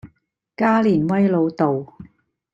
加連威老道